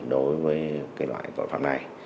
đối với loại tội phạm này